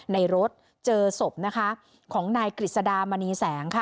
ในรถเจอศพนะคะของนายกฤษดามณีแสงค่ะ